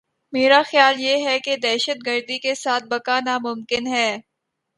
میرا خیال یہ ہے کہ دہشت گردی کے ساتھ بقا ناممکن ہے۔